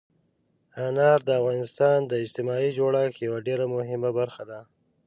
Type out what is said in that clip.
انار د افغانستان د اجتماعي جوړښت یوه ډېره مهمه برخه ده.